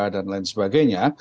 dan lain sebagainya